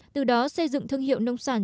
từ đó xây dựng thương hiệu nông sản